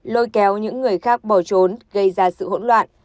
lôi kéo những người khác bỏ trốn gây ra sự hỗn loạn